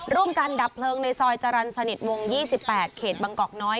ร่วมกันดับเพลิงในซอยจารนด์สระหนิดวง๒๘เผ่นเกตบังกองน้อย